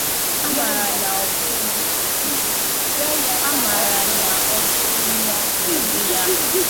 a mara na ọ bụghị ya gburu di ya